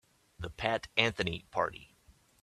The Pat Anthony Party.